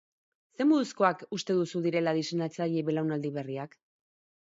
Zer moduzkoak uste duzu direla diseinatzaile belaunaldi berriak?